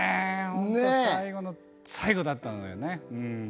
本当最後の最後だったんだよね。